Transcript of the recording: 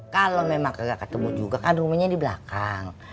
kalau memang nggak ketemu juga kan rumahnya di belakang